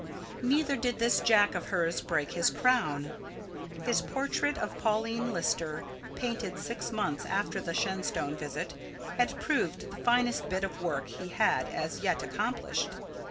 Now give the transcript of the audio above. Neither did this Jack of hers break his crown. His portrait of Pauline Lister, painted six months after the Shenstone visit, had proved the finest bit of work he had as yet accomplished.